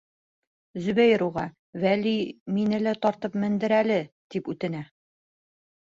Зөбәйер уға, Вәли, мине лә тартып мендер әле, тип үтенә.